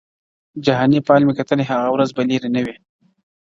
• جهاني فال مي کتلی هغه ورځ به لیري نه وي -